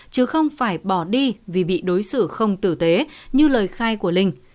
chứ không phải bỏ đi vì bị đối xử không tử tế như lời khai của linh